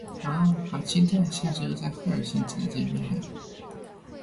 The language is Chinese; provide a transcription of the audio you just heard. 好期待下周在赫尔辛基的见面啊